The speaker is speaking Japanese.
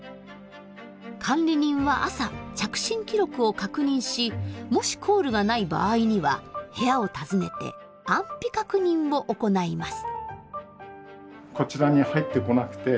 管理人は朝着信記録を確認しもしコールがない場合には部屋を訪ねて安否確認を行います。